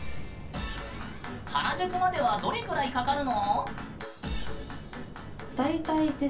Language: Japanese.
原宿まではどれぐらいかかるの？